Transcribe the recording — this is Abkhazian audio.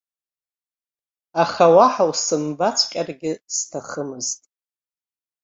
Аха уаҳа усымбаҵәҟьаргьы сҭахымызт.